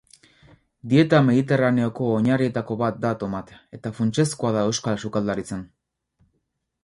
Dieta mediterraneoko oinarrietako bat da tomatea, eta funtsezkoa da euskal sukaldaritzan.